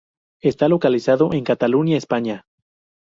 Está localizado en Cataluña, España.